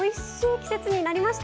季節になりました。